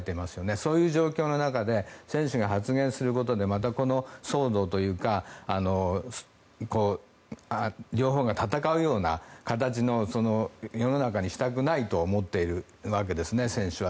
そういう状況の中で選手が発言することでまた騒動というか両方が戦うような形の世の中にしたくないと思っているわけですね、選手は。